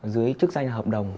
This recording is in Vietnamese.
dưới chức danh hợp đồng